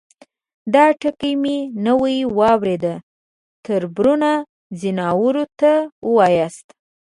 _دا ټکی مې نوی واورېد، تربرونه ، ځناورو ته واياست؟